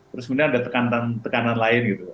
terus kemudian ada tekanan tekanan lain gitu